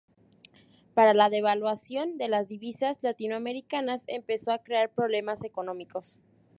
Pero la devaluación de las divisas latinoamericanas empezó a crear problemas económicos.